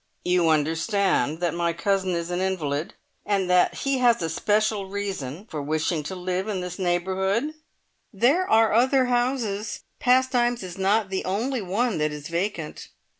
"You understand that my cousin is an invalid, and that he has a special reason for wishing to live in this neighbourhood?" "There are other houses. Pastimes is not the only one that is vacant."